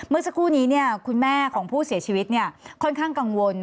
เมื่อสักครู่นี้คุณแม่ของผู้เสียชีวิตค่อนข้างกังวล